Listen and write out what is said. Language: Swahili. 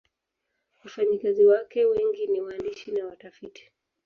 Wafanyakazi wake wengi ni waandishi na watafiti.